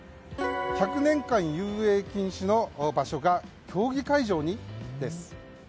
１００年間遊泳禁止の場所が競技会場に？です。